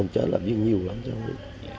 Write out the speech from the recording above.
chết là nhiều lắm chứ không biết